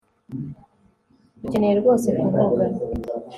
Dukeneye rwose kuvuga